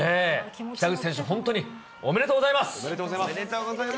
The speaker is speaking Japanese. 北口選手、本当におめでとうおめでとうございます。